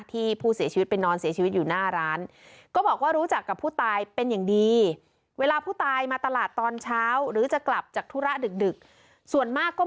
ที่ผู้เสียชีวิตไปนอนเสียชีวิตอยู่หน้าร้าน